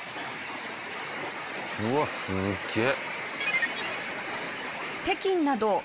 うわすっげえ。